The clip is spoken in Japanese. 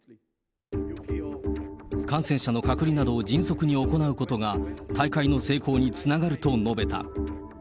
感染者の隔離などを迅速に行うことが大会の成功につながると述べた。